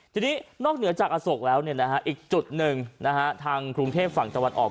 ทีนี้นอกเหนือจากอสกแล้วเนี่ยนะฮะอีกจุดหนึ่งนะฮะทางกรุงเทพฝั่งจัวร์ออก